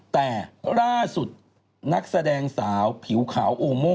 แต่ล่าสุดนักแสดงสาวผิวขาวโอโม่